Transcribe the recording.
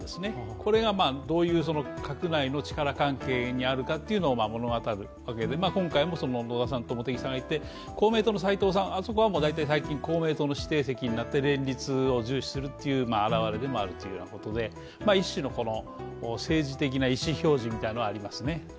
これが閣内のどういう力関係にあるかを物語るわけで、今回も野田さんと茂木さんがいて公明党の斉藤さん、あそこは大体公明党の指定席になって連立を重視することのあらわれでもあるということで一種の政治的な意思表示みたいなものはありますね。